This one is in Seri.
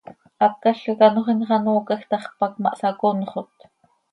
Hácalca quih anxö imxanoocaj tax, pac ma hsaconxot.